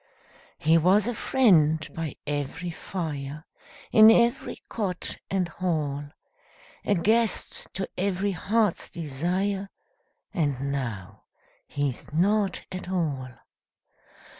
He was a friend by every fire, In every cot and hall A guest to every heart's desire, And now he's nought at all.